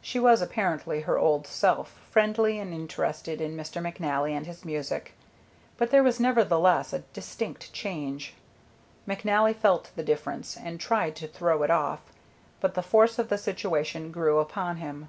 She was apparently her old self, friendly and interested in Mr. McNally and his music, but there was nevertheless a distinct change. McNally felt the difference and tried to throw it off, but the force of the situation grew upon him.